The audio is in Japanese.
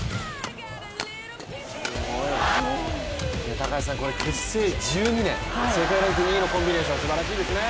高橋さん、結成１２年、世界ランク２位のコンビネーションすばらしいですね。